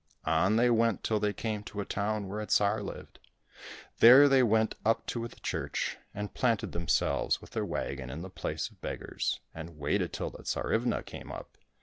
On they went till they came to a town where a Tsar lived. There they went up to the church, and planted themselves with their wagon in the place of beggars, and waited till the Tsarivna came up.